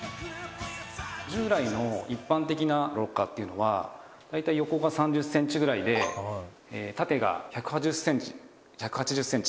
従来の一般的なロッカーっていうのは大体横が３０ｃｍぐらいで縦が１８０ｃｍ１８０ｃｍ